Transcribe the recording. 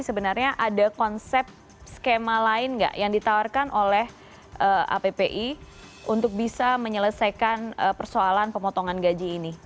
sebenarnya ada konsep skema lain nggak yang ditawarkan oleh appi untuk bisa menyelesaikan persoalan pemotongan gaji ini